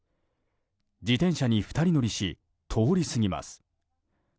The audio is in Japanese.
自転車に２人乗りし通り過ぎます。